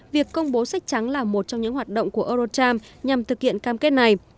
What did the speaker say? việc công bố sách trắng là một trong những hoạt động của eurocharm nhằm thực hiện cam kết này